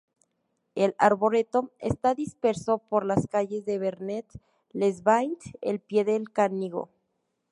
El arboreto está disperso por las calles de Vernet-les-Bains, al pie del Canigó.